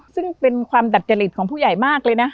ซึ่งเป็นความดัดจริตของผู้ใหญ่มากเลยนะ